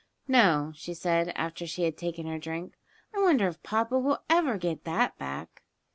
"No," she said, after she had taken her drink. "I wonder if papa will ever get that back?"